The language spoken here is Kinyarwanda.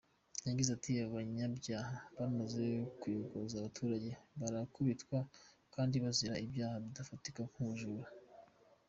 Yagize ati "Aba banyabyaha bamaze kuyogoza abaturage, barakubitwa kandi bazira ibyaha bidafatika nk’ubujura.